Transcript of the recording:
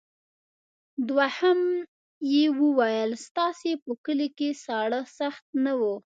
دوهم یې وویل ستاسې په کلي کې ساړه سخت نه وو.